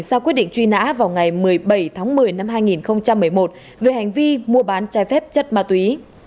ra quyết định truy nã vào ngày một mươi bảy tháng một mươi năm hai nghìn một mươi một về hành vi mua bán trái phép chất ma túy